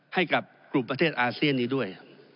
ให้กับกลุ่มประเทศอาเซียนนี้ด้วย